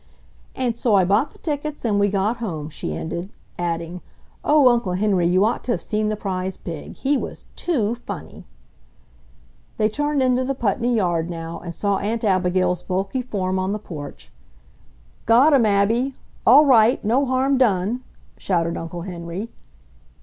"And so I bought the tickets and we got home," she ended, adding, "Oh, Uncle Henry, you ought to have seen the prize pig! He was TOO funny!" They turned into the Putney yard now and saw Aunt Abigail's bulky form on the porch. "Got 'em, Abby! All right! No harm done!" shouted Uncle Henry.